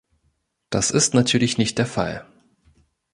Das ist natürlich nicht der Fall.